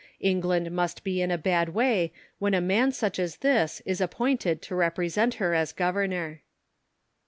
England must be in a bad way when a man such as this is appointed to represent her as Governor.